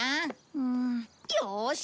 うん。よーし！